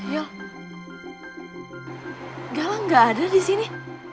ya galang gak ada di sini